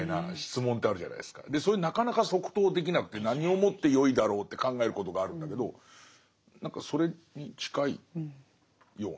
それなかなか即答できなくて何をもってよいだろうって考えることがあるんだけど何かそれに近いような。